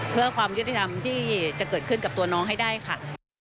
เพื่อความยุติธรรมที่จะเกิดขึ้นกับตัวน้องให้ได้ค่ะ